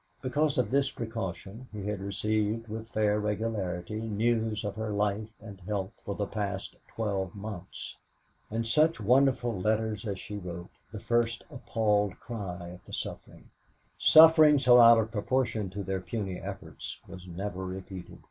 Because of this precaution, he had received with fair regularity news of her life and health for the past twelve months and such wonderful letters as she wrote; the first appalled cry at the suffering suffering so out of proportion to their puny efforts was never repeated.